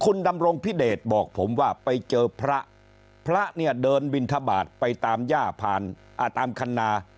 คุณดำรงพิเดชบอกผมว่าไปเจอพระพระเนี่ยเดินบินทบาทไปตามย่าผ่านตามคันนา